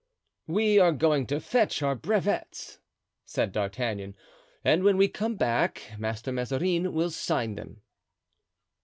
"We are going to fetch our brevets," said D'Artagnan, "and when we come back, Master Mazarin will sign them."